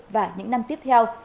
và những năm tiếp theo